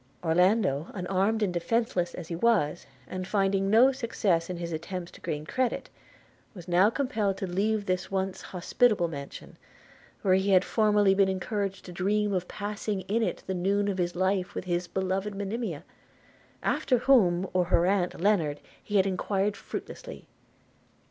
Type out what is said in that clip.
Orlando, unarmed and defenceless as he was, and finding no success in his attempts to gain credit, was now compelled to leave this once hospitable mansion, where he had formerly been encouraged to dream of passing in it the noon of his life with his beloved Monimia – after whom, or her aunt Lennard, he had enquired fruitlessly.